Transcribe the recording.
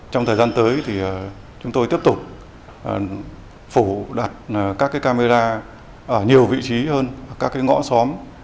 trong thời gian tới thì chúng tôi tiếp tục phủ đặt các camera ở nhiều vị trí hơn các ngõ xóm